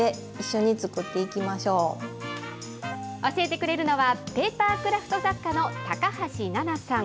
教えてくれるのは、ペーパークラフト作家のたかはしななさん。